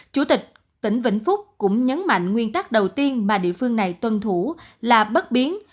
chủ tịch tỉnh vĩnh phúc cũng nhấn mạnh nguyên tắc đầu tiên mà địa phương này tuân thủ là bất biến